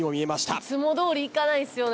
いつもどおりいかないですよね。